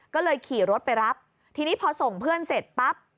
ก็เลยขี่รถไปรับทีนี้พอส่งเพื่อนเสร็จปั๊บ